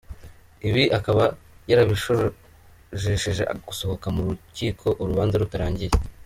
Ibi akaba yarabishojesheje gusohoka mu rukiko urubanza rutarangiye.